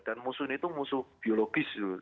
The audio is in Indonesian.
dan musuh ini itu musuh biologis dulu